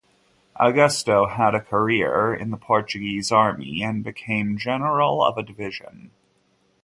Augusto had a career in the Portuguese Army and became general of a division.